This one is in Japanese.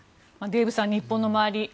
デーブさん、日本の周り